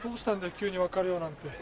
急に別れようなんて。